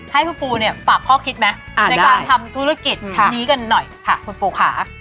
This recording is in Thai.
ให้คุณปูเนี่ยฝากข้อคิดไหมในการทำธุรกิจนี้กันหน่อยค่ะคุณปูค่ะ